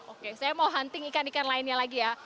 oke saya mau hunting ikan ikan lainnya lagi ya